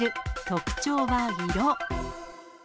特徴は色。